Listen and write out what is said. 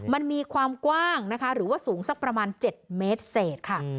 มันมีความกว้างนะคะหรือว่าสูงสักประมาณ๗เมตรเศษค่ะ